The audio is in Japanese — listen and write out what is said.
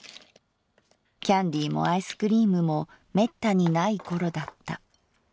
キャンディーもアイスクリームもめったにない頃だった」。